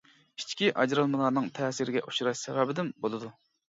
ئىچكى ئاجرالمىلارنىڭ تەسىرگە ئۇچراش سەۋەبىدىن بولىدۇ.